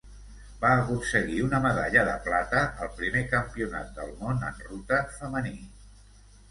Va aconseguir una medalla de plata al primer Campionat del món en ruta femení.